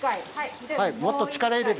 もっと力入れる。